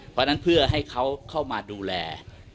เพราะฉะนั้นเพื่อให้เขาเข้ามาดูแล